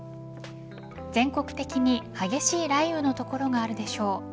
全国的に激しい雷雨の所があるでしょう。